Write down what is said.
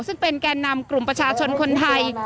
ซึ่งเป็นแก่นำกลุ่มประชาชนคนไทย